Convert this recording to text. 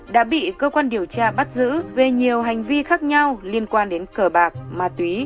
đã bị cơ quan điều tra bắt giữ về nhiều hành vi khác nhau liên quan đến cờ bạc ma túy